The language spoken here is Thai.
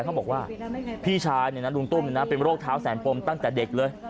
เขาบอกว่าพี่ชายลุงตุ้มเป็นโรคเท้าแสนปมตั้งแต่เด็กเลย